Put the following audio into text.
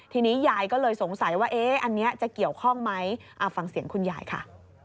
ทีนี้ยายก็เลยสงสัยว่าอันนี้จะเกี่ยวข้องไหมฟังเสียงคุณยายค่ะ